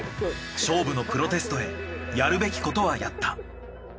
勝負のプロテストへやるべきことはやった。